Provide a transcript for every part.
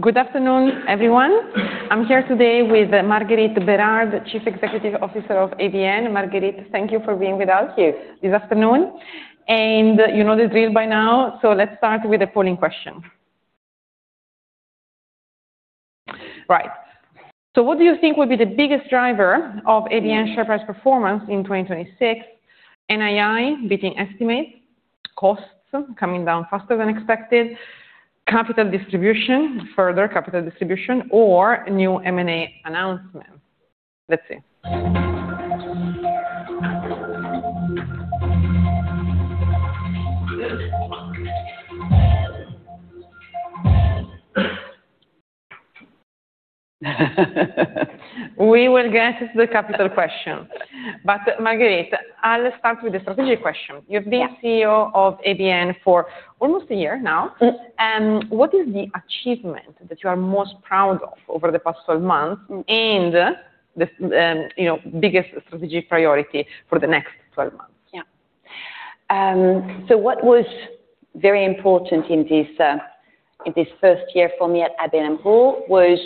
Good afternoon, everyone. I'm here today with Marguerite Bérard, the Chief Executive Officer of ABN AMRO. Marguerite, thank you for being with us. Yes. This afternoon. You know the drill by now, let's start with a polling question. Right. What do you think will be the biggest driver of ABN share price performance in 2026? NII beating estimates, costs coming down faster than expected, capital distribution, further capital distribution, or new M&A announcement. Let's see. We will get to the capital question, but Marguerite, I'll start with the strategic question. Yeah. You've been CEO of ABN for almost a year now. Mm. What is the achievement that you are most proud of over the past 12 months and the, you know, biggest strategic priority for the next 12 months? Yeah. What was very important in this first year for me at ABN AMRO was,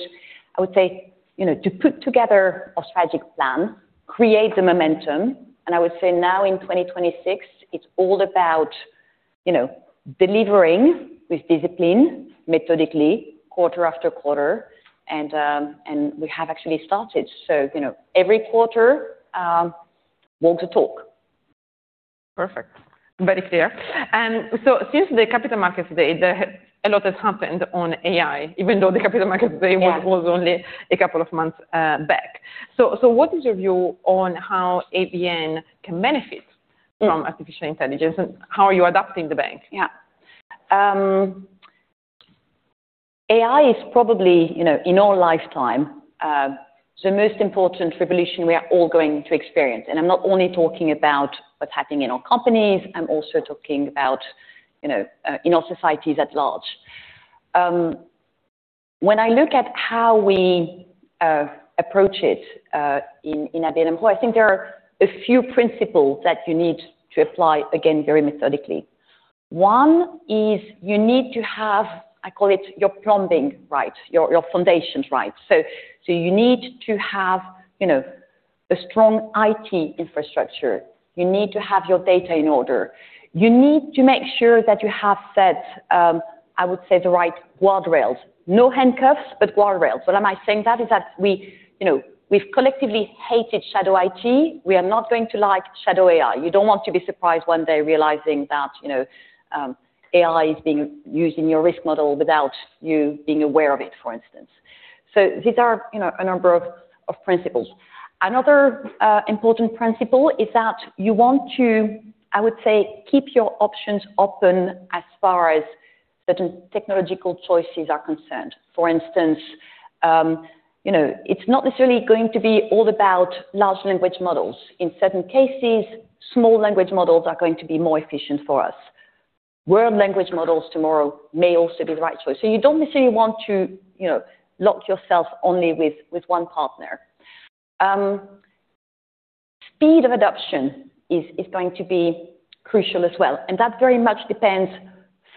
I would say, you know, to put together a strategic plan, create the momentum, and I would say now in 2026, it's all about, you know, delivering with discipline methodically quarter after quarter. We have actually started. You know, every quarter walks the talk. Perfect. Very clear. Since the Capital Markets Day, there's a lot has happened on AI, even though the Capital Markets Day. Yeah. Was only a couple of months back. What is your view on how ABN can benefit Mm. From artificial intelligence, and how are you adapting the bank? Yeah. AI is probably, you know, in our lifetime, the most important revolution we are all going to experience. I'm not only talking about what's happening in our companies, I'm also talking about, you know, in our societies at large. When I look at how we approach it, in ABN AMRO, I think there are a few principles that you need to apply, again, very methodically. One is you need to have, I call it your plumbing right, your foundations right. You need to have, you know, a strong IT infrastructure. You need to have your data in order. You need to make sure that you have set, I would say, the right guardrails. No handcuffs, but guardrails. What am I saying that is that we, you know, we've collectively hated shadow IT. We are not going to like shadow AI. You don't want to be surprised one day realizing that, you know, AI is being used in your risk model without you being aware of it, for instance. These are, you know, a number of principles. Another important principle is that you want to, I would say, keep your options open as far as certain technological choices are concerned. For instance, you know, it's not necessarily going to be all about large language models. In certain cases, small language models are going to be more efficient for us. World language models tomorrow may also be the right choice. You don't necessarily want to, you know, lock yourself only with one partner. Speed of adoption is going to be crucial as well, and that very much depends,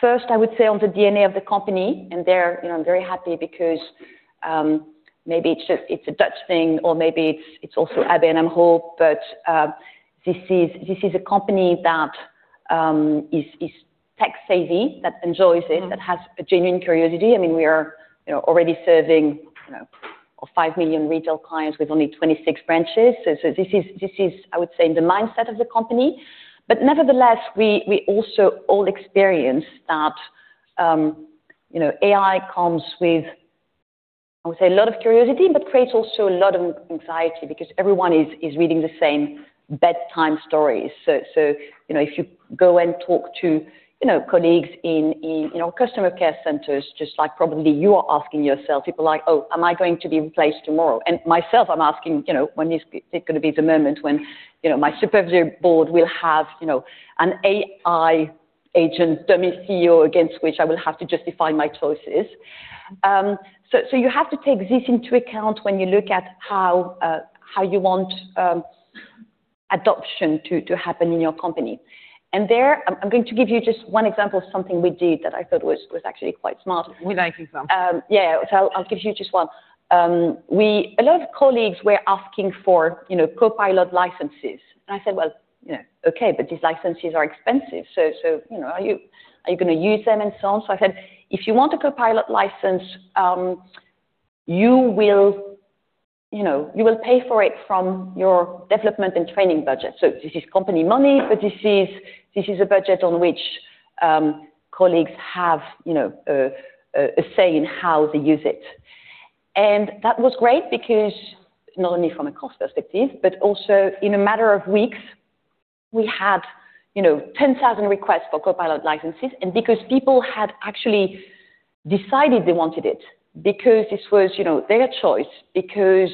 first, I would say, on the DNA of the company. There, you know, I'm very happy because maybe it's a Dutch thing or maybe it's also ABN AMRO, but this is a company that is tech savvy, that enjoys it- Mm-hmm. That has a genuine curiosity. I mean, we are, you know, already serving, you know, 5 million retail clients with only 26 branches. This is, I would say, the mindset of the company. But nevertheless, we also all experience that, you know, AI comes with, I would say, a lot of curiosity, but creates also a lot of anxiety because everyone is reading the same bedtime stories. So, you know, if you go and talk to, you know, colleagues in our customer care centers, just like probably you are asking yourself, people are like, "Oh, am I going to be replaced tomorrow?" Myself, I'm asking, you know, when is it gonna be the moment when, you know, my supervisory board will have, you know, an AI agent dummy CEO against which I will have to justify my choices. You have to take this into account when you look at how you want adoption to happen in your company. There, I'm going to give you just one example of something we did that I thought was actually quite smart. We'd like you some. I'll give you just one. A lot of colleagues were asking for, you know, Copilot licenses, and I said, "Well, you know, okay, but these licenses are expensive. So, you know, are you gonna use them and so on?" I said, "If you want a Copilot license, you will, you know, pay for it from your development and training budget." This is company money, but this is a budget on which colleagues have, you know, a say in how they use it. That was great because not only from a cost perspective, but also in a matter of weeks, we had, you know, 10,000 requests for Copilot licenses. Because people had actually decided they wanted it because this was, you know, their choice because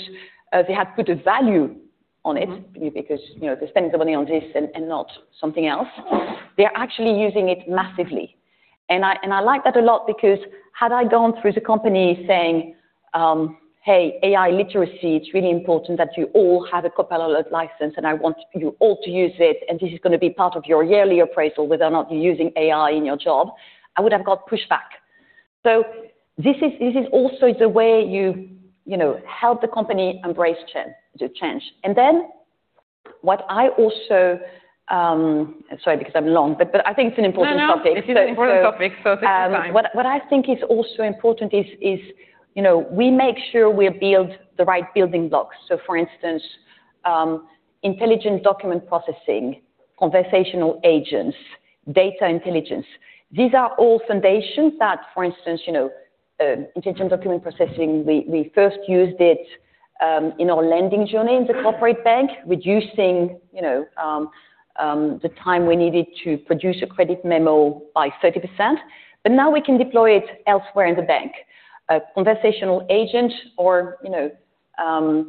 they had put a value on it. Mm. Because, you know, they're spending the money on this and not something else. They're actually using it massively. I like that a lot because had I gone through the company saying, hey, AI literacy, it's really important that you all have a Copilot license, and I want you all to use it, and this is gonna be part of your yearly appraisal, whether or not you're using AI in your job, I would have got pushback. This is also the way you know help the company embrace the change. What I also sorry, because I'm long, but I think it's an important topic. No, no. This is an important topic, so take your time. What I think is also important is, you know, we make sure we build the right building blocks. For instance, intelligent document processing, conversational agents, data intelligence. These are all foundations that, for instance, you know, in terms of document processing, we first used it in our lending journey in the corporate bank, reducing, you know, the time we needed to produce a credit memo by 30%. Now we can deploy it elsewhere in the bank. A conversational agent or, you know, an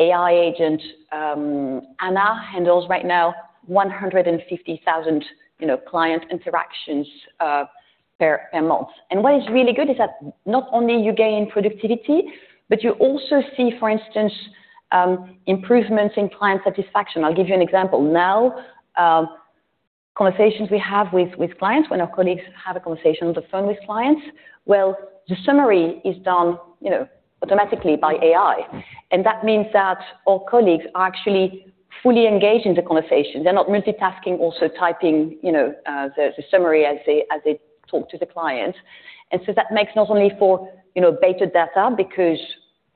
AI agent, Anna handles right now 150,000, you know, client interactions per month. What is really good is that not only you gain productivity, but you also see, for instance, improvements in client satisfaction. I'll give you an example. Now, conversations we have with clients, when our colleagues have a conversation on the phone with clients, well, the summary is done, you know, automatically by AI. That means that our colleagues are actually fully engaged in the conversation. They're not multitasking, also typing, you know, the summary as they talk to the client. That makes not only for, you know, better data because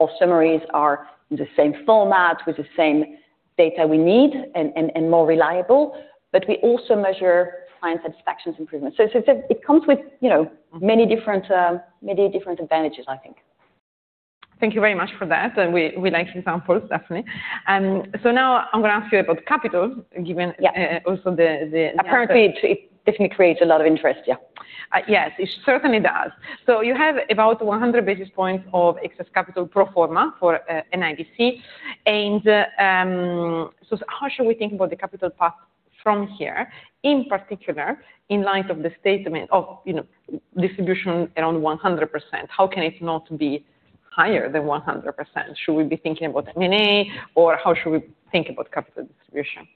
our summaries are in the same format with the same data we need and more reliable, but we also measure client satisfaction improvements. It comes with, you know, many different advantages, I think. Thank you very much for that. We like the examples, definitely. Now I'm gonna ask you about capital, given- Yeah. Also the Apparently, it definitely creates a lot of interest, yeah. Yes, it certainly does. You have about 100 basis points of excess capital pro forma for NIBC. How should we think about the capital path from here, in particular, in light of the statement of, you know, distribution around 100%? How can it not be higher than 100%? Should we be thinking about M&A or how should we think about capital distribution?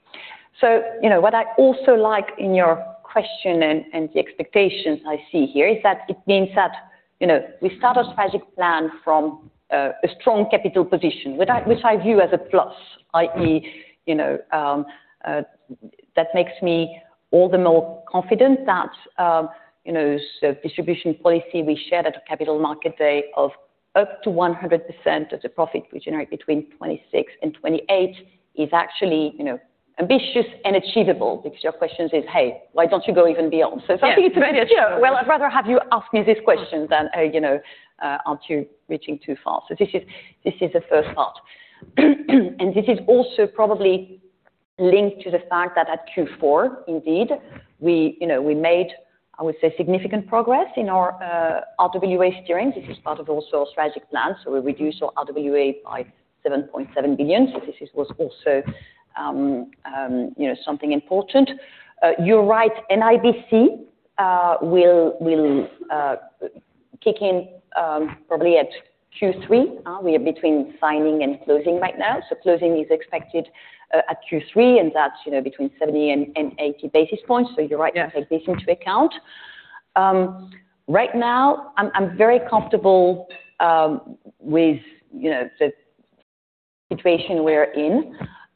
You know, what I also like in your question and the expectations I see here is that it means that, you know, we start a strategic plan from a strong capital position, which I view as a plus, i.e., you know, that makes me all the more confident that, you know, the distribution policy we shared at a Capital Markets Day of up to 100% of the profit we generate between 2026 and 2028 is actually, you know, ambitious and achievable because your question is, "Hey, why don't you go even beyond? Yeah. Something to consider. Well, I'd rather have you ask me this question than, you know, aren't you reaching too far. This is the first part. This is also probably linked to the fact that at Q4, indeed, we, you know, we made, I would say, significant progress in our RWA steering. This is also part of a strategic plan. We reduced our RWA by 7.7 billion. This was also, you know, something important. You're right, NIBC will kick in probably at Q3. We are between signing and closing right now. Closing is expected at Q3, and that's, you know, between 70 and 80 basis points. You're right to take this into account. Right now, I'm very comfortable with you know the situation we're in.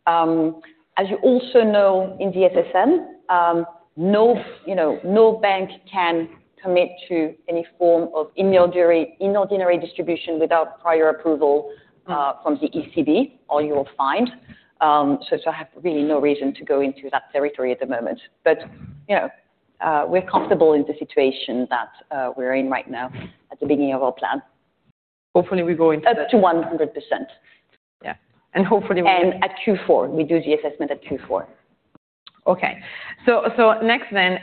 As you also know in the SSM, you know, no bank can commit to any form of extraordinary distribution without prior approval from the ECB, or you will find. I have really no reason to go into that territory at the moment. You know, we're comfortable in the situation that we're in right now at the beginning of our plan. Hopefully, we go into. Up to 100%. Yeah. Hopefully we At Q4, we do the assessment at Q4.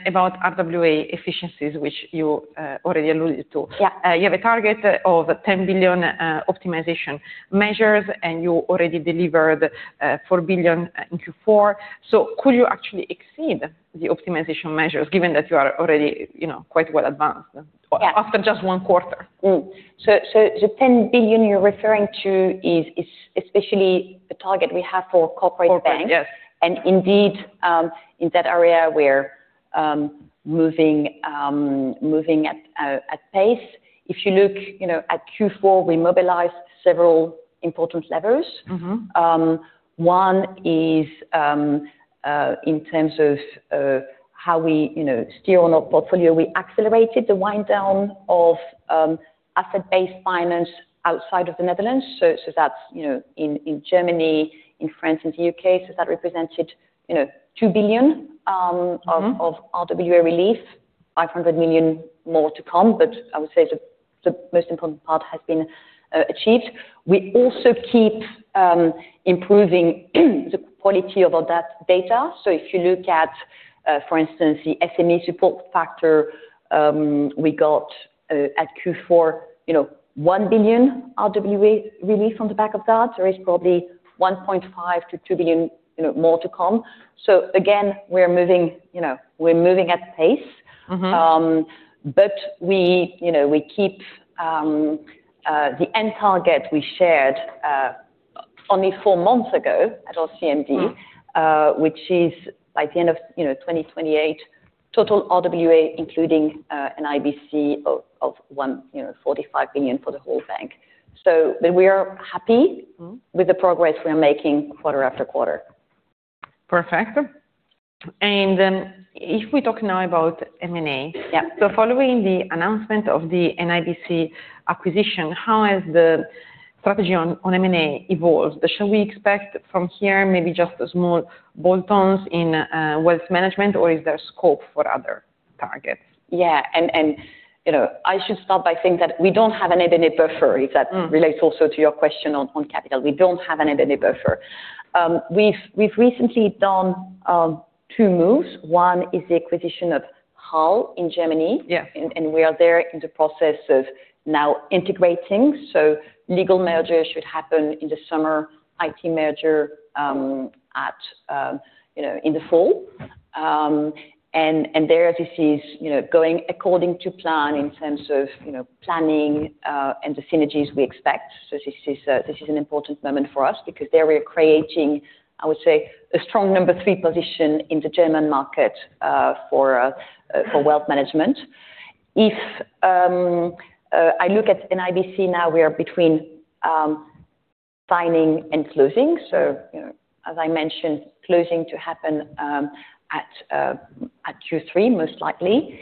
About RWA efficiencies, which you already alluded to. Yeah. You have a target of 10 billion optimization measures, and you already delivered 4 billion in Q4. Could you actually exceed the optimization measures, given that you are already, you know, quite well advanced? Yeah. After just one quarter? The 10 billion you're referring to is especially the target we have for corporate banks. Corporate, yes. Indeed, in that area, we're moving at pace. If you look, you know, at Q4, we mobilized several important levers. Mm-hmm. One is, in terms of how we, you know, steer on our portfolio. We accelerated the wind down of asset-based finance outside of the Netherlands. That's, you know, in Germany, in France, and the U.K.. That represented, you know, 2 billion. Mm-hmm. Of RWA relief, 500 million more to come, but I would say the most important part has been achieved. We also keep improving the quality of our data. If you look at, for instance, the SME support factor, we got at Q4, you know, 1 billion RWA relief on the back of that. There is probably 1.5 billion-2 billion, you know, more to come. Again, we're moving, you know, at pace. Mm-hmm. You know, we keep the end target we shared only four months ago at CMD, which is by the end of, you know, 2028, total RWA including an NIBC of 145 billion for the whole bank. We are happy- Mm-hmm. with the progress we are making quarter after quarter. Perfect. If we talk now about M&A. Yeah. Following the announcement of the NIBC acquisition, how has the strategy on M&A evolved? Shall we expect from here maybe just a small bolt-ons in wealth management, or is there scope for other targets? Yeah. You know, I should start by saying that we don't have an M&A buffer, if that relates also to your question on capital. We don't have an M&A buffer. We've recently done two moves. One is the acquisition of HAL in Germany. Yeah. We are there in the process of now integrating. Legal merger should happen in the summer, IT merger at, you know, in the fall. This is going according to plan in terms of, you know, planning and the synergies we expect. This is an important moment for us because there we are creating, I would say, a strong number three position in the German market for wealth management. If I look at NIBC now, we are between signing and closing. You know, as I mentioned, closing to happen at Q3 most likely.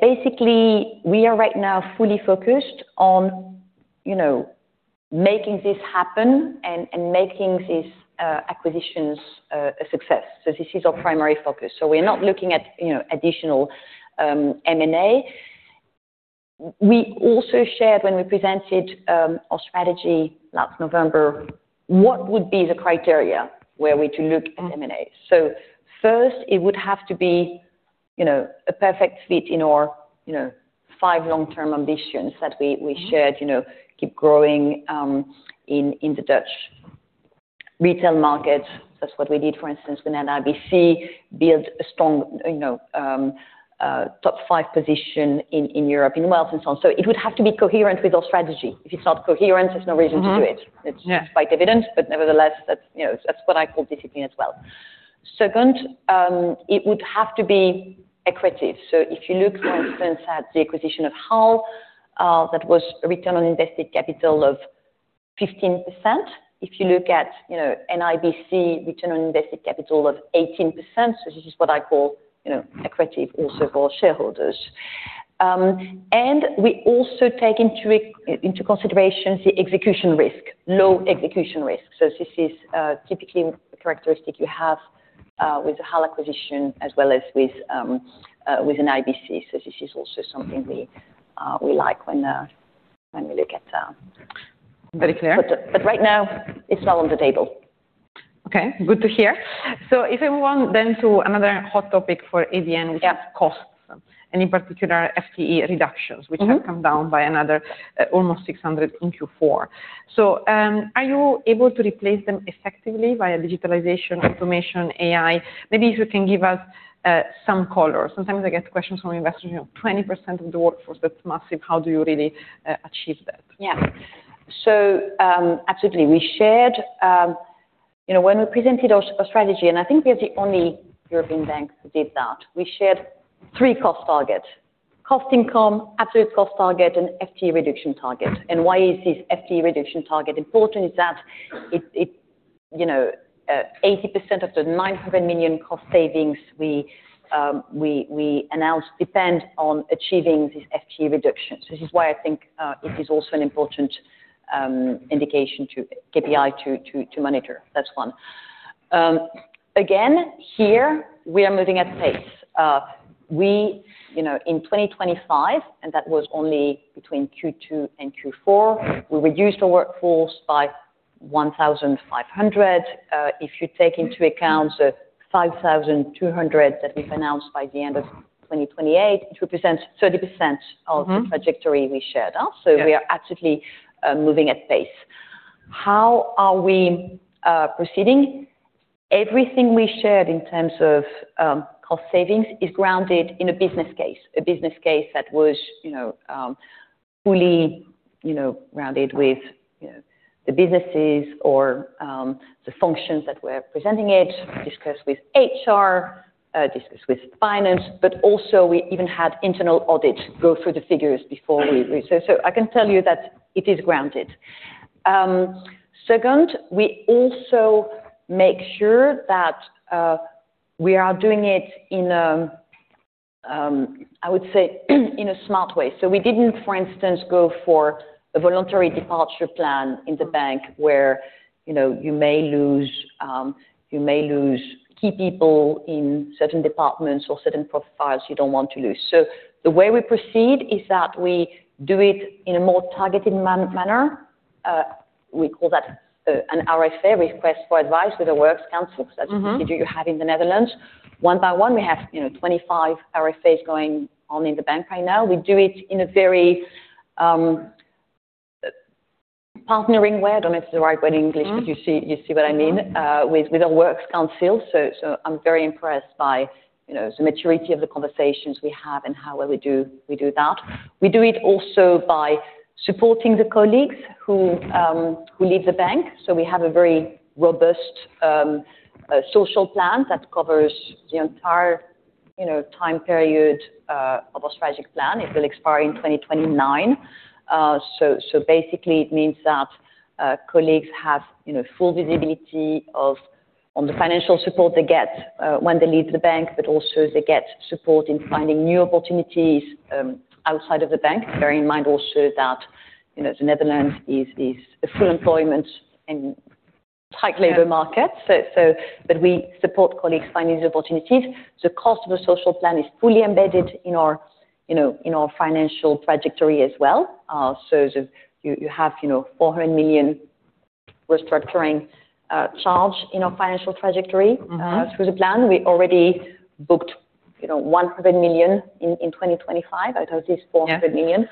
Basically, we are right now fully focused on, you know, making this happen and making these acquisitions a success. This is our primary focus. We're not looking at, you know, additional M&A. We also shared when we presented our strategy last November, what would be the criteria were we to look at M&A. First, it would have to be, you know, a perfect fit in our, you know, five long-term ambitions that we shared, you know, keep growing in the Dutch retail market. That's what we did, for instance, with NIBC, build a strong, you know, top five position in Europe, in wealth and so on. It would have to be coherent with our strategy. If it's not coherent, there's no reason to do it. Mm-hmm. Yeah. It's quite evident, but nevertheless, that's, you know, that's what I call discipline as well. Second, it would have to be accretive. If you look, for instance, at the acquisition of HAL, that was a return on invested capital of 15%. If you look at, you know, NIBC return on invested capital of 18%, this is what I call, you know, accretive, also for shareholders. We also take into consideration the execution risk, low execution risk. This is typically a characteristic you have with the HAL acquisition as well as with NIBC. This is also something we like when we look at. Very clear. right now it's not on the table. Okay, good to hear. If we move on then to another hot topic for ABN AMRO. Yeah. which is costs, and in particular, FTE reductions. Mm-hmm. Which have come down by another almost 600 in Q4. Are you able to replace them effectively via digitalization, automation, AI? Maybe if you can give us some color. Sometimes I get questions from investors, you know, 20% of the workforce, that's massive. How do you really achieve that? Yeah. Absolutely. We shared, you know, when we presented our strategy, and I think we are the only European bank who did that, we shared three cost targets, cost/income, absolute cost target, and FTE reduction target. Why is this FTE reduction target important is that it, you know, 80% of the 900 million cost savings we announced depend on achieving this FTE reduction. This is why I think it is also an important KPI to monitor. That's one. Again, here we are moving at pace. We, you know, in 2025, and that was only between Q2 and Q4, we reduced our workforce by 1,500. If you take into account the 5,200 that we've announced by the end of 2028, it represents 30%. Mm-hmm. of the trajectory we shared. We are absolutely moving at pace. How are we proceeding? Everything we shared in terms of cost savings is grounded in a business case, a business case that was, you know, fully, you know, grounded with, you know, the businesses or the functions that we're presenting it, discussed with HR, discussed with finance, but also we even had internal audits go through the figures. I can tell you that it is grounded. Second, we also make sure that we are doing it in a smart way. We didn't, for instance, go for a voluntary departure plan in the bank where, you know, you may lose key people in certain departments or certain profiles you don't want to lose. The way we proceed is that we do it in a more targeted manner. We call that an RFA, request for advice, with a works council. Mm-hmm. Such procedure you have in the Netherlands. One by one, we have, you know, 25 RFAs going on in the bank right now. We do it in a very partnering way, I don't know if it's the right word in English, but you see what I mean with our works council. I'm very impressed by, you know, the maturity of the conversations we have and how well we do that. We do it also by supporting the colleagues who leave the bank. We have a very robust social plan that covers the entire, you know, time period of our strategic plan. It will expire in 2029. Basically it means that colleagues have you know full visibility on the financial support they get when they leave the bank, but also they get support in finding new opportunities outside of the bank. Bearing in mind also that you know the Netherlands is a full employment and tight labor market. But we support colleagues finding these opportunities. The cost of a social plan is fully embedded in our you know financial trajectory as well. You have you know 400 million restructuring charge in our financial trajectory. Mm-hmm. Through the plan, we already booked, you know, 100 million in 2025 out of this 400 million.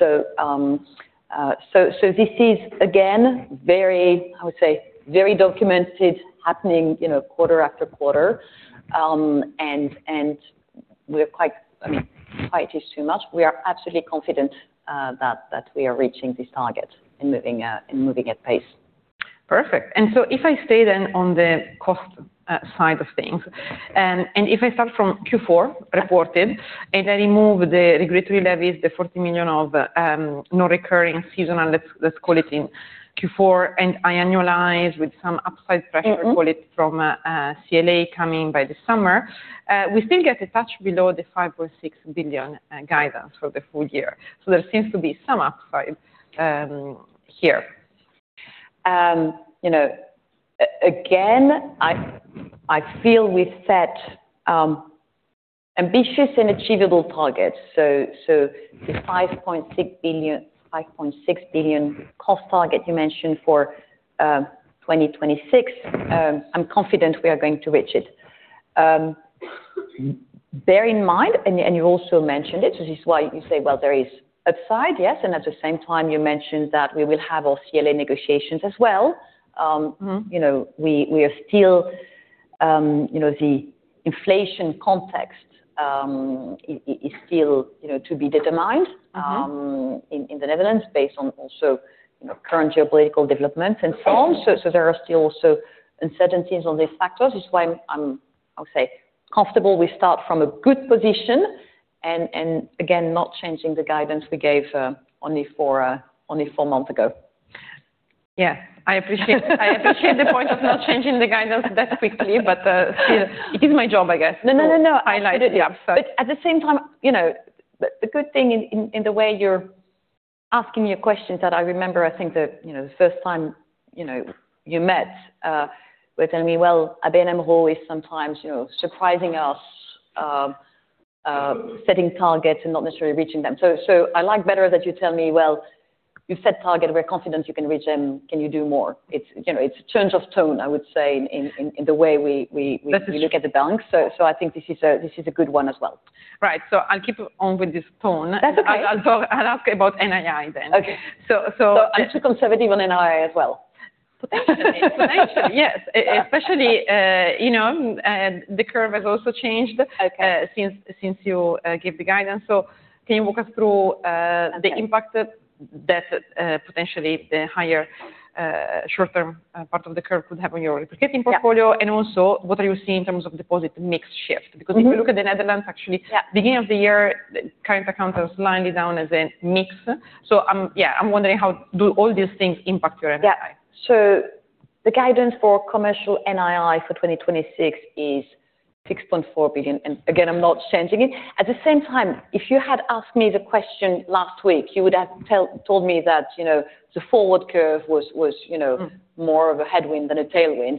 Yeah. This is again very, I would say, very documented happening, you know, quarter after quarter. We're quite, I mean, quite is too much. We are absolutely confident that we are reaching this target and moving at pace. Perfect. If I stay then on the cost side of things, and if I start from Q4 reported, and I remove the regulatory levies, the 40 million of non-recurring seasonal, let's call it in Q4, and I annualize with some upside pressure. Mm-hmm Call it from CLA coming by the summer, we still get a touch below the 5.6 billion guidance for the full year. There seems to be some upside here. You know, again, I feel we set ambitious and achievable targets. The 5.6 billion cost target you mentioned for 2026, I'm confident we are going to reach it. Bear in mind, and you also mentioned it, so this is why you say, well, there is upside. Yes. At the same time, you mentioned that we will have our CLA negotiations as well. Mm-hmm You know, we are still, you know, the inflation context is still, you know, to be determined. Mm-hmm In the Netherlands based on also, you know, current geopolitical developments and so on. There are still also uncertainties on these factors, which is why I would say I'm comfortable we start from a good position and again, not changing the guidance we gave only four months ago. Yeah. I appreciate the point of not changing the guidance that quickly, but still it is my job, I guess. No. to highlight it. Yeah. At the same time, you know, the good thing in the way you're asking me a question that I remember, I think the first time, you know, you met were telling me, "Well, ABN AMRO is sometimes, you know, surprising us, setting targets and not necessarily reaching them." I like better that you tell me, "Well, you set target, we're confident you can reach them. Can you do more?" It's, you know, it's change of tone, I would say, in the way we. That's it. Look at the bank. I think this is a good one as well. Right. I'll keep on with this tone. That's okay. I'll ask about NII then. Okay. So, so- I'm too conservative on NII as well. Thank you. Yes. Especially, you know, the curve has also changed. Okay since you gave the guidance. Can you walk us through? Okay the impact that potentially the higher short-term part of the curve could have on your replicating portfolio? Yeah. What are you seeing in terms of deposit mix shift? Mm-hmm. Because if you look at the Netherlands, actually. Yeah Beginning of the year, the current account has come down somewhat. I'm wondering how all these things impact your NII? Yeah. The guidance for commercial NII for 2026 is 6.4 billion. Again, I'm not changing it. At the same time, if you had asked me the question last week, you would have told me that, you know, the forward curve was, you know. Mm more of a headwind than a tailwind.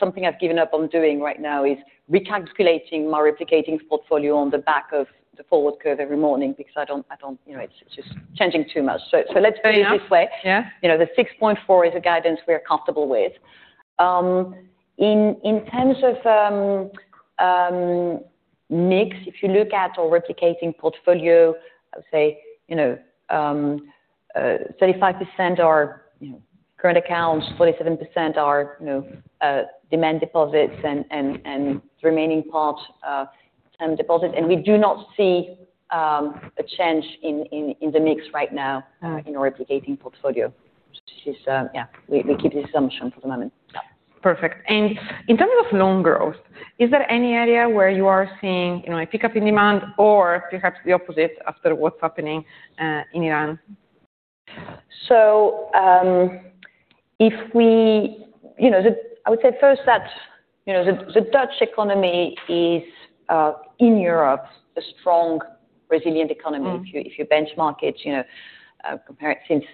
Something I've given up on doing right now is recalculating my replicating portfolio on the back of the forward curve every morning because I don't, you know, it's just changing too much. Let's Fair enough. Do it this way. Yeah. You know, the 6.4 is a guidance we are comfortable with. In terms of mix, if you look at our replicating portfolio, I would say, you know, 35% are, you know, current accounts, 47% are, you know, demand deposits and the remaining part term deposits. We do not see a change in the mix right now. Uh... in our replicating portfolio, which is, yeah, we keep the assumption for the moment. Perfect. In terms of loan growth, is there any area where you are seeing, you know, a pickup in demand or perhaps the opposite after what's happening in Iran? You know, I would say first that, you know, the Dutch economy is in Europe, a strong, resilient economy. Mm. If you benchmark it, you know, compare it since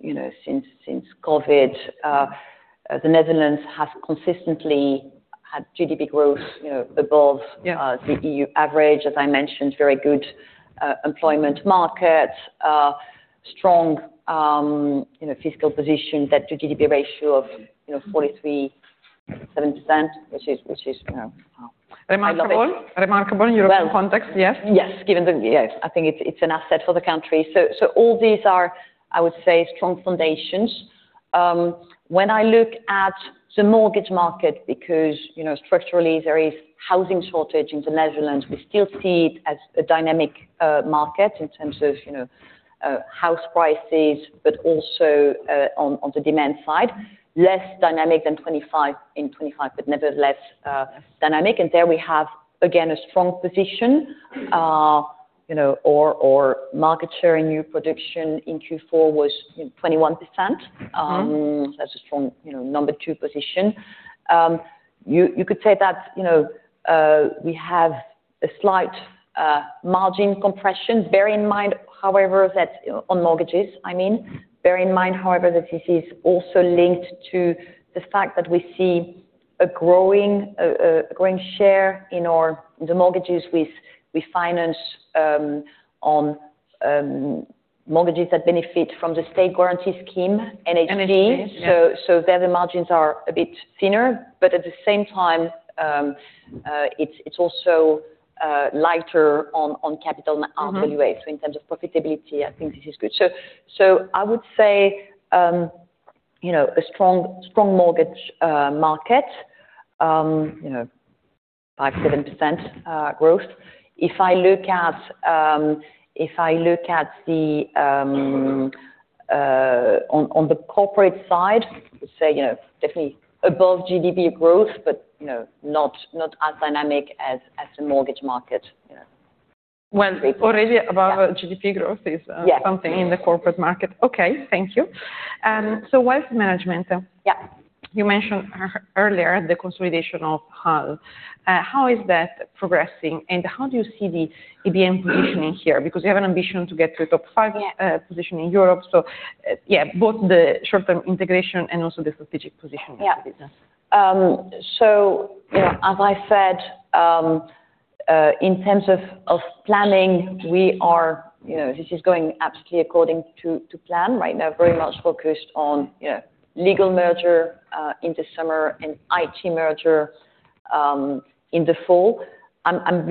you know, since COVID, the Netherlands has consistently had GDP growth, you know, above Yeah the EU average. As I mentioned, very good employment market, strong, you know, fiscal position. Debt to GDP ratio of, you know, 43.7%, which is, you know. Remarkable. Remarkable in European context, yes. Yes. I think it's an asset for the country. All these are, I would say, strong foundations. When I look at the mortgage market because, you know, structurally there is housing shortage in the Netherlands, we still see it as a dynamic market in terms of, you know, house prices, but also on the demand side, less dynamic than 2025, in 2025, but nevertheless dynamic. There we have again a strong position or market share in new production in Q4 was 21%. Mm-hmm. That's a strong, you know, number two position. You could say that, you know, we have a slight margin compression. Bear in mind, however, that this is also linked to the fact that we see a growing share in the mortgages we finance on mortgages that benefit from the state guarantee scheme, NHG. NHG, yeah. There the margins are a bit thinner, but at the same time, it's also lighter on capital RWA. Mm-hmm. In terms of profitability, I think this is good. I would say, you know, a strong mortgage market, you know, 5%-7% growth. If I look at on the corporate side, say, you know, definitely above GDP growth, but, you know, not as dynamic as the mortgage market, you know. Well, already above GDP growth is. Yeah. Something in the corporate market. Okay. Thank you. Wealth management. Yeah. You mentioned earlier the consolidation of HAL. How is that progressing, and how do you see the ABN positioning here? Because you have an ambition to get to a top five- Yeah. position in Europe. Yeah, both the short-term integration and also the strategic positioning. Yeah. You know, as I said, in terms of planning, we are, you know, this is going absolutely according to plan right now, very much focused on, you know, legal merger in the summer and IT merger in the fall. We're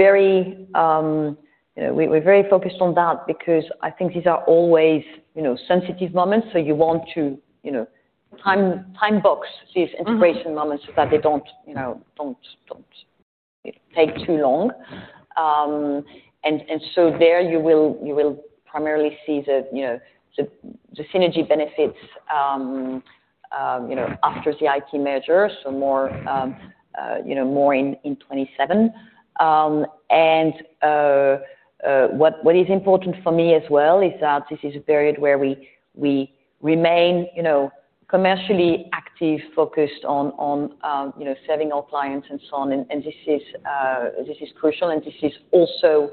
very focused on that because I think these are always, you know, sensitive moments, so you want to, you know, time box these integration moments so that they don't, you know, don't take too long. There you will primarily see the, you know, the synergy benefits after the IT merger. More in 2027. What is important for me as well is that this is a period where we remain, you know, commercially active, focused on you know, serving our clients and so on. This is crucial, and this is also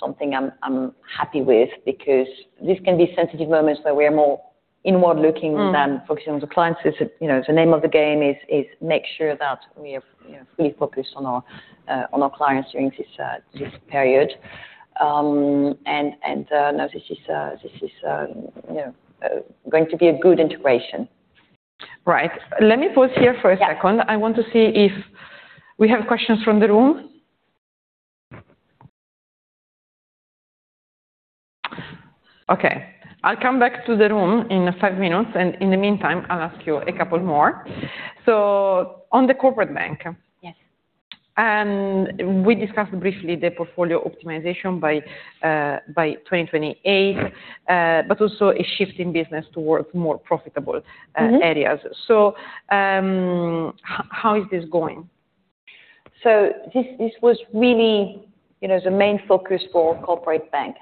something I'm happy with because this can be sensitive moments where we are more inward-looking. Mm. -than focusing on the clients. This is, you know, the name of the game is make sure that we are, you know, fully focused on our clients during this period. This is, you know, going to be a good integration. Right. Let me pause here for a second. Yeah. I want to see if we have questions from the room. Okay, I'll come back to the room in five minutes, and in the meantime, I'll ask you a couple more. On the corporate bank. Yes. We discussed briefly the portfolio optimization by 2028, but also a shift in business towards more profitable areas. Mm-hmm. How is this going? This was really, you know, the main focus for corporate bank.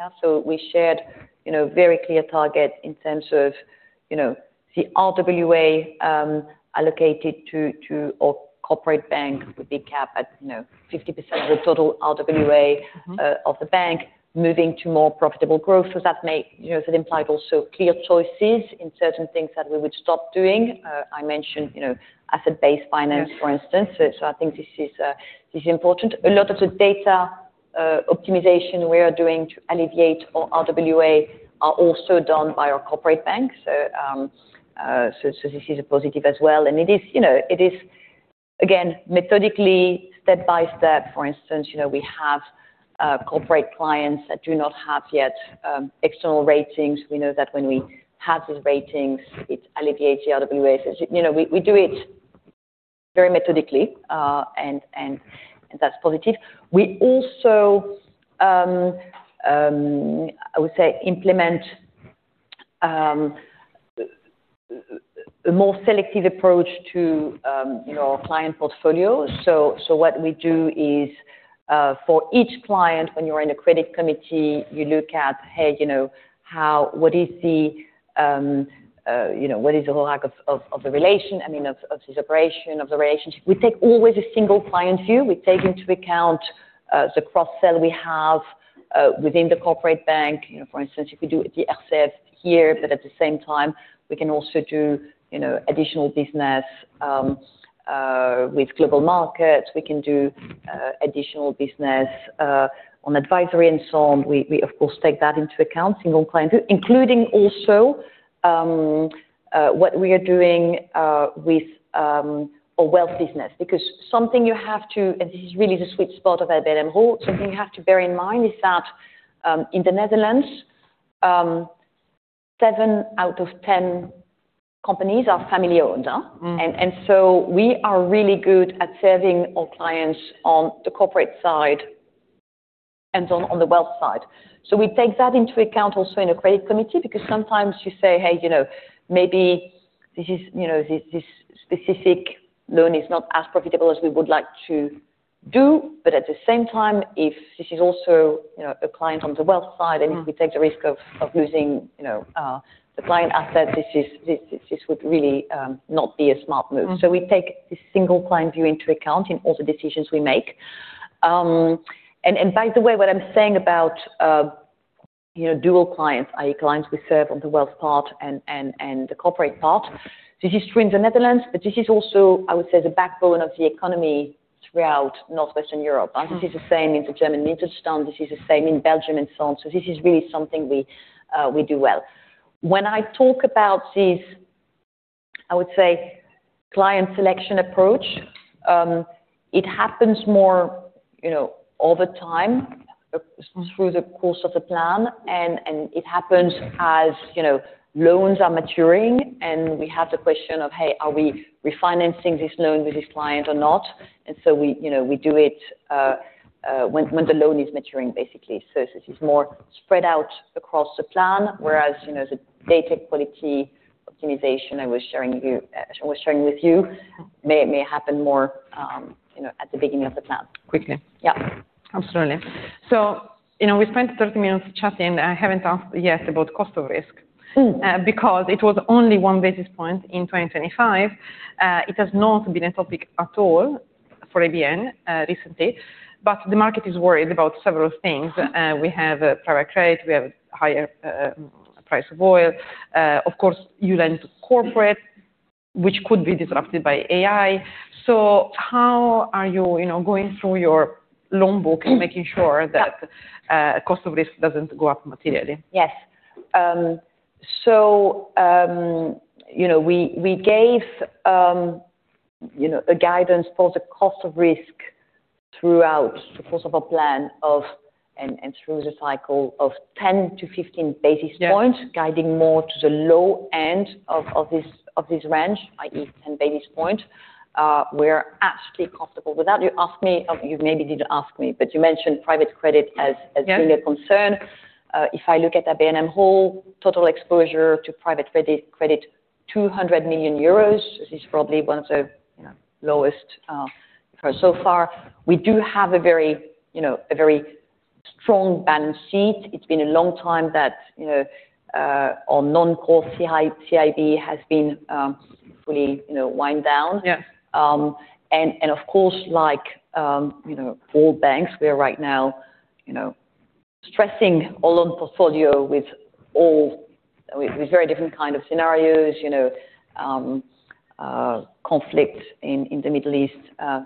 We shared, you know, very clear target in terms of, you know, the RWA allocated to our corporate bank with big cap at, you know, 50% of the total RWA. Mm-hmm. of the bank moving to more profitable growth. That may, you know, that implied also clear choices in certain things that we would stop doing. I mentioned, you know, asset-based finance, for instance. Yeah. I think this is important. A lot of the data optimization we are doing to alleviate our RWA are also done by our corporate bank. This is a positive as well, and it is, you know, it is again, methodically step by step, for instance, you know, we have corporate clients that do not have yet external ratings. We know that when we have these ratings, it alleviates the RWA. You know, we do it very methodically, and that's positive. We also, I would say implement a more selective approach to, you know, our client portfolio. What we do is, for each client, when you're in a credit committee, you look at, hey, you know, how... What is the whole lack of the relation, I mean, of this operation, of the relationship? We take always a single client view. We take into account the cross-sell we have within the corporate bank. You know, for instance, you could do it the RCF here, but at the same time, we can also do, you know, additional business with global markets. We can do additional business on advisory and so on. We of course take that into account, single client, including also what we are doing with our wealth business. This is really the sweet spot of ABN AMRO. Something you have to bear in mind is that in the Netherlands, seven out of ten companies are family-owned. Mm-hmm. We are really good at serving our clients on the corporate side and on the wealth side. We take that into account also in a credit committee because sometimes you say, hey, you know, maybe this is, you know, this specific loan is not as profitable as we would like to do, but at the same time, if this is also, you know, a client on the wealth side. Mm-hmm. If we take the risk of losing, you know, the client asset, this would really not be a smart move. Mm-hmm. We take the single client view into account in all the decisions we make. By the way, what I'm saying about, you know, dual clients, i.e. clients we serve on the wealth part and the corporate part, this is true in the Netherlands, but this is also, I would say, the backbone of the economy throughout Northwestern Europe. Mm-hmm. This is the same in the German Mittelstand, this is the same in Belgium and so on. This is really something we do well. When I talk about this, I would say client selection approach, it happens more, you know, all the time through the course of the plan and it happens as, you know, loans are maturing, and we have the question of, "Hey, are we refinancing this loan with this client or not?" We, you know, we do it when the loan is maturing basically. This is more spread out across the plan. Mm-hmm. Whereas, you know, the data quality optimization I was sharing with you may happen more, you know, at the beginning of the plan. Quickly. Yeah. Absolutely. You know, we spent 30 minutes chatting. I haven't asked yet about cost of risk. Mm. Because it was only one basis point in 2025. It has not been a topic at all for ABN recently, but the market is worried about several things. We have private credit, we have higher price of oil. Of course, you lend to corporate, which could be disrupted by AI. How are you know, going through your loan book, making sure that cost of risk doesn't go up materially? Yes. You know, we gave you know a guidance for the cost of risk throughout the course of our plan and through the cycle of 10-15 basis points. Yeah. Guiding more to the low end of this range, i.e. 10 basis points. We're actually comfortable with that. You asked me, or you maybe didn't ask me, but you mentioned private credit as being a concern. Yeah. If I look at ABN AMRO whole total exposure to private credit 200 million euros. This is probably one of the, you know, lowest so far. We do have a very, you know, a very strong balance sheet. It's been a long time that, you know, our non-core CIB has been fully, you know, wind down. Yeah. Of course, like, you know, all banks, we are right now, you know, stressing our loan portfolio with all. With very different kind of scenarios, you know, conflict in the Middle East,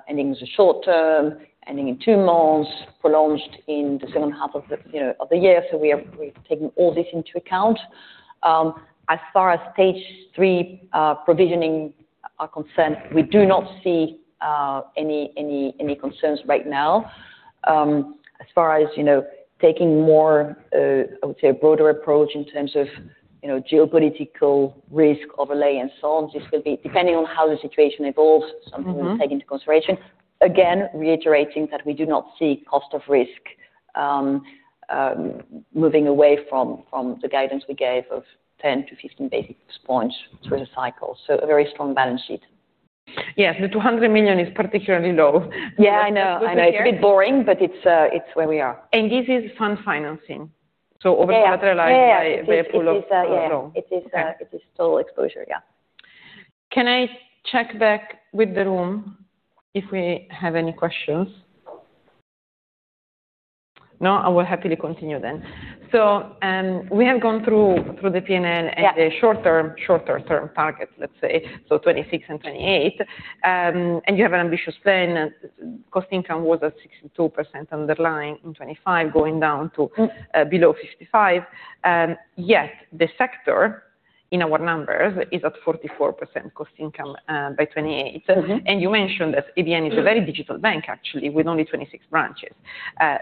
ending in the short term, ending in two months, prolonged in the second half of the year. We've taken all this into account. As far as Stage 3 provisioning are concerned, we do not see any concerns right now. As far as taking more, I would say a broader approach in terms of geopolitical risk overlay and so on, this will be depending on how the situation evolves. Mm-hmm. Something we'll take into consideration. Again, reiterating that we do not see cost of risk moving away from the guidance we gave of 10-15 basis points through the cycle. A very strong balance sheet. Yes. The 200 million is particularly low. Yeah, I know. I know. Good to hear. It's a bit boring, but it's where we are. This is fund financing. Overcollateralized by a pool of loans. Yeah. It is, yeah. Okay. It is total exposure, yeah. Can I check back with the room if we have any questions? No, I will happily continue then. We have gone through the P&L. Yeah. The short term, shorter term targets, let's say, so 2026 and 2028. You have an ambitious plan, and cost/income was at 62% underlying in 2025, going down to below 55%. Yet the sector in our numbers is at 44% cost/income by 2028. Mm-hmm. You mentioned that ABN AMRO is a very digital bank actually with only 26 branches. I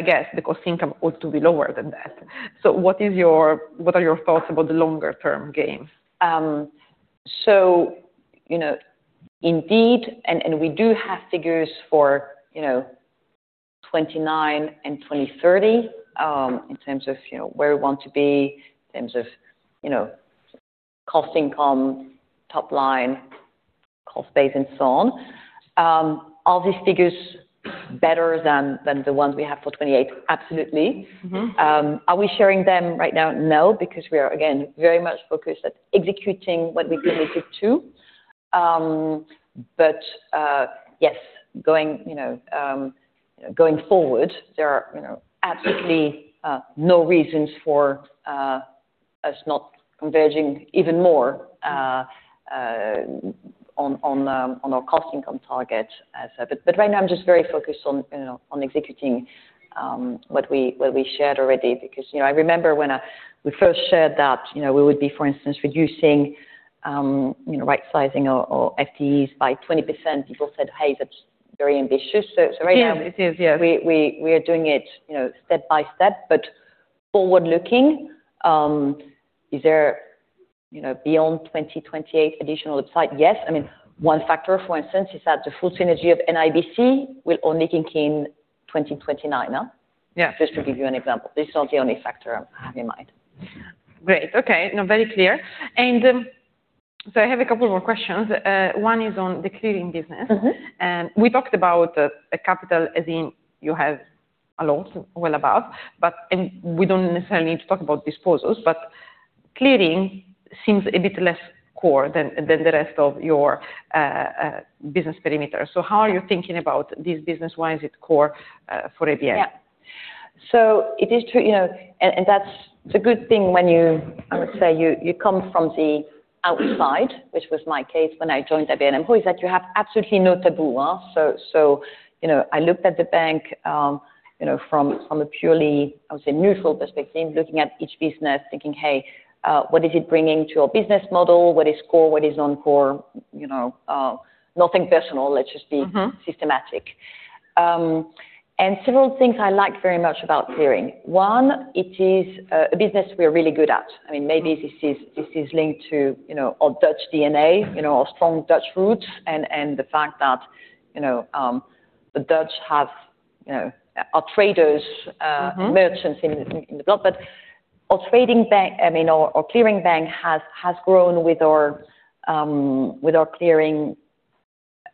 guess the cost/income ought to be lower than that. What are your thoughts about the longer term gains? You know, indeed, and we do have figures for, you know, 2029 and 2030, in terms of, you know, where we want to be, in terms of, you know, cost income, top line, cost base and so on. Are these figures better than the ones we have for 2028? Absolutely. Mm-hmm. Are we sharing them right now? No, because we are again very much focused on executing what we committed to. Yes, you know, going forward, there are, you know, absolutely no reasons for us not converging even more on our cost/income target. Right now I'm just very focused on, you know, on executing what we shared already. Because, you know, I remember when we first shared that, you know, we would be, for instance, reducing, you know, rightsizing our FTEs by 20%, people said, "Hey, that's very ambitious." Right now- It is. Yeah. We are doing it, you know, step by step. Forward-looking, is there, you know, beyond 2028 additional upside? Yes. I mean, one factor, for instance, is that the full synergy of NIBC will only kick in 2029, huh? Yeah. Just to give you an example. This is not the only factor I have in mind. Great. Okay. No, very clear. I have a couple more questions. One is on the clearing business. Mm-hmm. We talked about the capital as in you have a lot, well above, but we don't necessarily need to talk about disposals, but clearing seems a bit less core than the rest of your business perimeter. How are you thinking about this business? Why is it core for ABN? Yeah, it is true, you know, and that's the good thing when you, I would say, come from the outside, which was my case when I joined ABN AMRO, is that you have absolutely no taboo. You know, I looked at the bank, you know, from a purely, I would say, neutral perspective, looking at each business thinking, "Hey, what is it bringing to our business model? What is core? What is non-core?" You know, nothing personal. Let's just be- Mm-hmm Systematic. Several things I like very much about clearing. One, it is a business we're really good at. I mean, maybe this is linked to, you know, our Dutch DNA, you know, our strong Dutch roots and the fact that, you know, the Dutch have, you know, are traders. Mm-hmm Merchants in the global. Our trading bank, I mean, our clearing bank has grown with our clearing,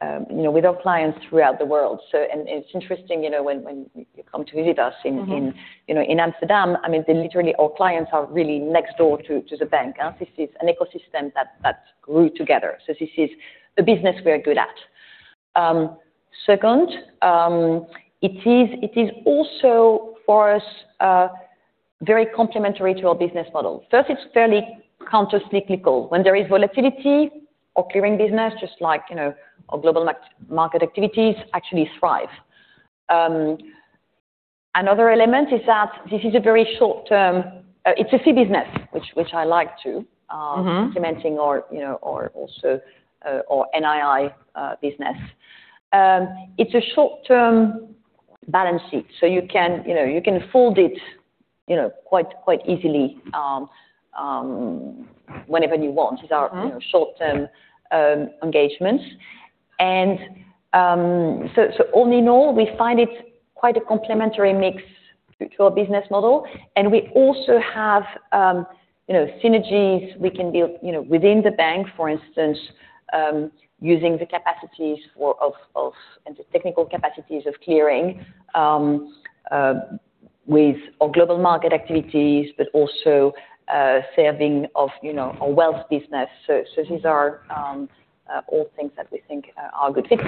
you know, with our clients throughout the world. It's interesting, you know, when you come to visit us in Mm-hmm in, you know, in Amsterdam, I mean, they literally, our clients are really next door to the bank. This is an ecosystem that grew together. This is a business we're good at. Second, it is also for us very complementary to our business model. First, it's fairly countercyclical. When there is volatility, our clearing business, just like, you know, our global market activities actually thrive. Another element is that this is a very short-term. It's a fee business, which I like to Mm-hmm... implementing our NII business. It's a short-term balance sheet, so you can, you know, you can fold it, you know, quite easily, whenever you want. Mm-hmm. These are, you know, short-term engagements. All in all, we find it quite a complementary mix to our business model, and we also have, you know, synergies we can build, you know, within the bank, for instance, using the technical capacities of clearing with our global market activities, but also serving of, you know, our wealth business. These are all things that we think are good fits.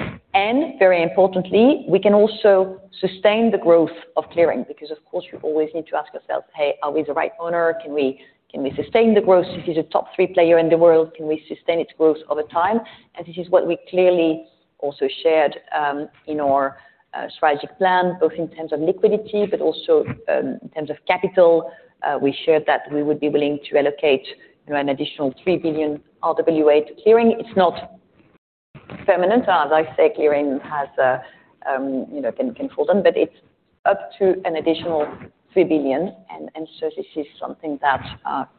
Very importantly, we can also sustain the growth of clearing because of course you always need to ask yourself, "Hey, are we the right owner? Can we sustain the growth? This is a top three player in the world. Can we sustain its growth over time?" This is what we clearly also shared in our strategic plan, both in terms of liquidity, but also in terms of capital. We shared that we would be willing to allocate, you know, an additional 3 billion RWA to clearing. It's not permanent. As I say, clearing can fold in, but it's up to an additional 3 billion and so this is something that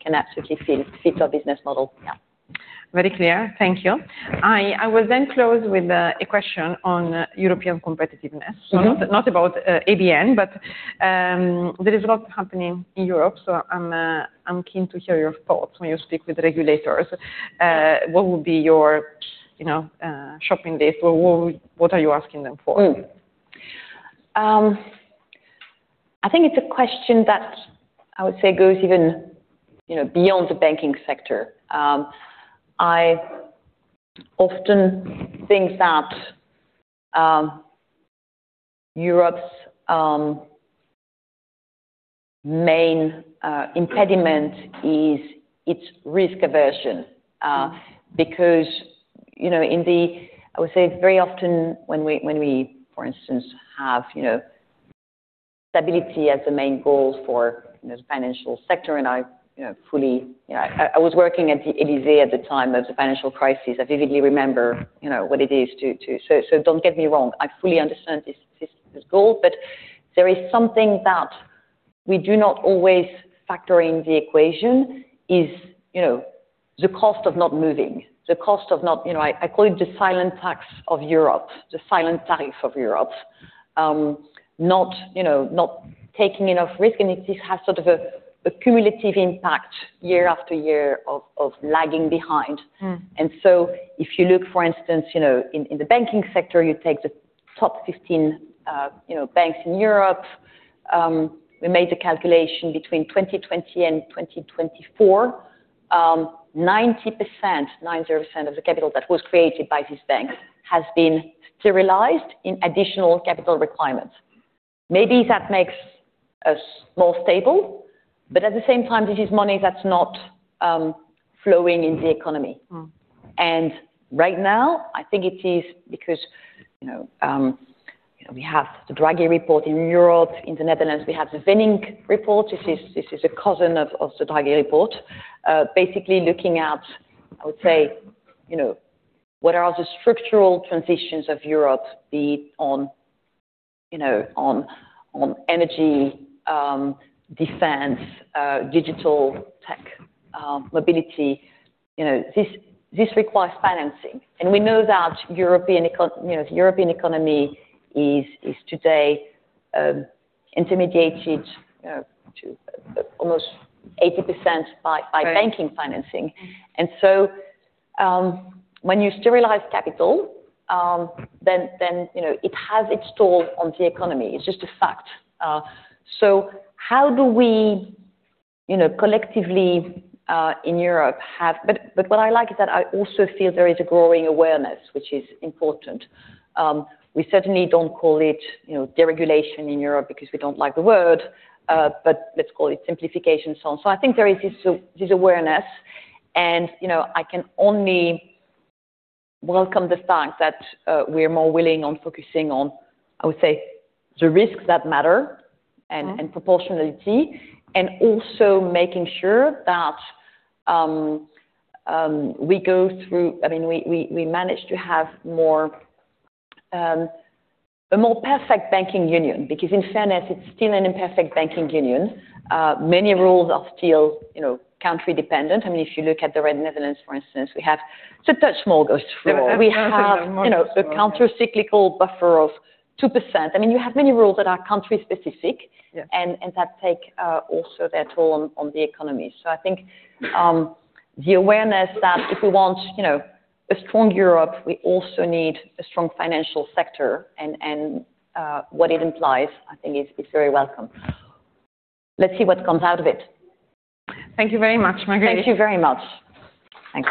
can absolutely fit our business model. Very clear. Thank you. I will then close with a question on European competitiveness. Mm-hmm. Not about ABN, but there is a lot happening in Europe, so I'm keen to hear your thoughts when you speak with regulators. What would be your, you know, shopping list? Or what are you asking them for? I think it's a question that I would say goes even, you know, beyond the banking sector. I often think that Europe's main impediment is its risk aversion. Mm-hmm. Because, you know, I would say very often when we, for instance, have, you know, stability as the main goal for the financial sector, and I fully, you know, I was working at the Élysée at the time of the financial crisis. I vividly remember, you know, what it is to. Don't get me wrong, I fully understand this goal. There is something that we do not always factor in the equation, you know, the cost of not moving, the cost of not. I call it the silent tax of Europe, the silent tariff of Europe, not taking enough risk, and it just has sort of a cumulative impact year after year of lagging behind. Mm. If you look, for instance, you know, in the banking sector, you take the top 15 banks in Europe, we made the calculation between 2020 and 2024, 90% of the capital that was created by these banks has been sterilized in additional capital requirements. Maybe that makes us more stable, but at the same time, this is money that's not flowing in the economy. Mm-hmm. Right now, I think it is because, you know, you know, we have the Draghi report in Europe. In the Netherlands, we have the Wennink report. This is a cousin of the Draghi report, basically looking at, I would say, you know, what are the structural transitions of Europe, be it on energy, defense, digital tech, mobility. You know, this requires financing, and we know that European economy is today intermediated to almost 80% by banking financing. Right. Mm-hmm. When you sterilize capital, then, you know, it has its toll on the economy. It's just a fact. What I like is that I also feel there is a growing awareness, which is important. We certainly don't call it, you know, deregulation in Europe because we don't like the word, but let's call it simplification, so on. I think there is this awareness and, you know, I can only welcome the fact that we're more willing on focusing on, I would say, the risks that matter. Mm-hmm. Proportionality, and also making sure that I mean, we manage to have more, a more perfect banking union because in fairness it's still an imperfect banking union. Many rules are still, you know, country dependent. I mean, if you look at the Netherlands for instance, we have the Dutch mortgage rule. The Dutch mortgage rule. We have, you know, the countercyclical buffer of 2%. I mean, you have many rules that are country-specific. Yeah. That takes also their toll on the economy. I think the awareness that if we want, you know, a strong Europe, we also need a strong financial sector and what it implies, I think is very welcome. Let's see what comes out of it. Thank you very much, Marguerite. Thank you very much. Thanks.